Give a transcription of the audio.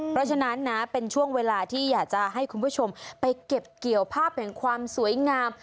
เพราะฉะนั้นนะเป็นช่วงเวลาที่อยากจะให้คุณผู้ชมไปเก็บเกี่ยวภาพแห่งความสวยงาม